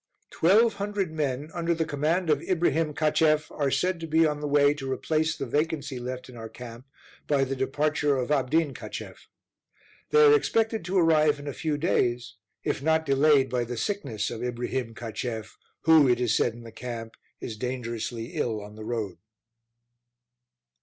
Twelve hundred men, under the command of Ibrihim Cacheff, are said to be on the way to replace the vacancy left in our camp by the departure of Abdin Cacheff. They are expected to arrive in a few days, if not delayed by the sickness of Ibrihim Cacheff, who, it is said in the camp, is dangerously ill on the road.